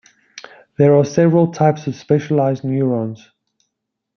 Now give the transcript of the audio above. There are several types of specialized neurons.